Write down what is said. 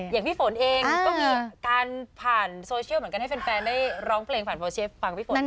อย่างพี่ฝนเองก็มีการผ่านโซเชียลเหมือนกันให้แฟนได้ร้องเพลงผ่านโซเชียลฟังพี่ฝน